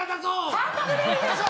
監督でいいでしょ！